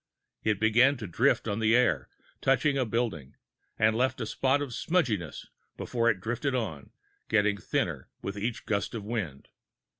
It began to drift on the air, touched a building, and left a spot of smudginess, before it drifted on, getting thinner with each gust of wind.